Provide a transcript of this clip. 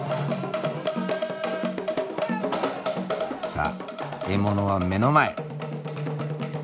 さあ獲物は目の前。